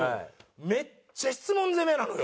めっちゃ質問攻めなのよ。